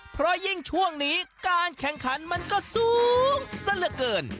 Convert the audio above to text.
เพราะยิ่งช่วงนี้การแข่งขันมันก็สูงซะเหลือเกิน